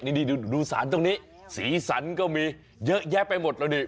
นี่นี่ดูดูดูสารตรงนี้สีสันก็มีเยอะแยะไปหมดแล้วดิ